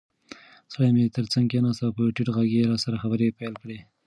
سړی مې تر څنګ کېناست او په ټیټ غږ یې راسره خبرې پیل کړې.